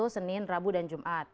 senin rabu dan jumat